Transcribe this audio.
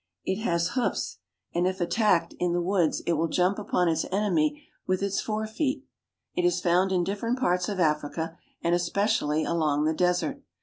It has hoofs, and if attacked in 1 62 AFRICA the woods it will jump upon its enemy with its fore feet. It is found in different parts of Africa, and especially along the desert.